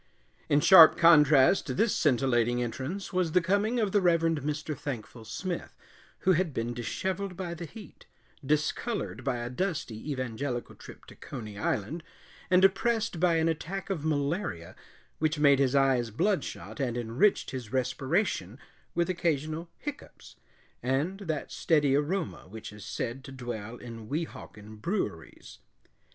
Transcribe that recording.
In sharp contrast to this scintillating entrance was the coming of the Reverend Mr. Thankful Smith, who had been disheveled by the heat, discolored by a dusty evangelical trip to Coney Island, and oppressed by an attack of malaria which made his eyes bloodshot and enriched his respiration with occasional hiccoughs and that steady aroma which is said to dwell in Weehawken breweries.